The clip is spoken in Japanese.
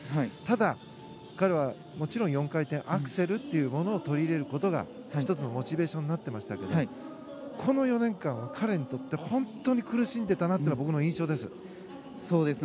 ただ、彼はもちろん４回転アクセルを取り入れることが１つのモチベーションになっていましたがこの４年間は彼にとって本当に苦しんでたなというのが僕の印象です。